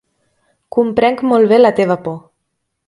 Comprenc molt bé la teva por.